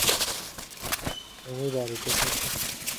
তুমি বাড়িতে থাকো।